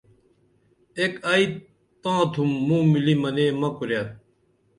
ایک ائی تاں تُھم موں ملی منے مہ کُرے